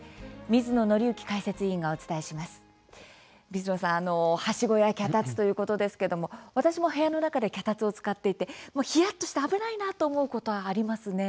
水野さん、はしごや脚立ということですけれども私も部屋の中で脚立を使っていてひやっとして危ないなと思うことありますね。